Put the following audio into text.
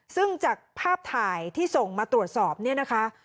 ซึ่งจากภาพถ่ายที่ส่งมาตรวจสอบเนี่ยนะคะ